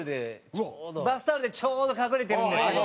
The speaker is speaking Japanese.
バスタオルでちょうど隠れてるんですけど。